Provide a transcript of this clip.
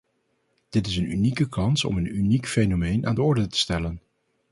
Dit is een unieke kans om een uniek fenomeen aan de orde te stellen.